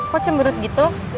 kok cemberut gitu